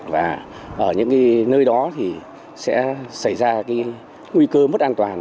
và ở những nơi đó thì sẽ xảy ra nguy cơ mất an toàn